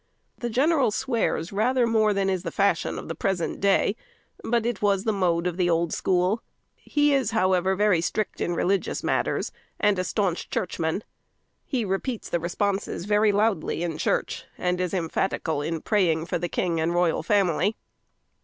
The general swears rather more than is the fashion of the present day; but it was the mode of the old school. He is, however, very strict in religious matters, and a staunch churchman. He repeats the responses very loudly in church, and is emphatical in praying for the king and royal family.